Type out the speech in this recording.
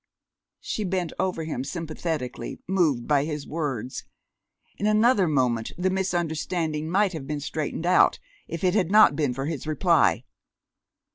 She bent over him sympathetically, moved by his words. In another moment the misunderstanding might have been straightened out, if it had not been for his reply.